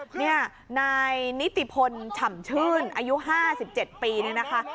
นี่นายนิติพลฉ่ำชื่นอายุ๕๗ปีเนี่ยนะคะ